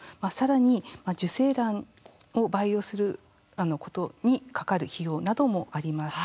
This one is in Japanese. さらに、受精卵を培養することにかかる費用などもあります。